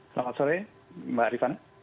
selamat sore mbak arifana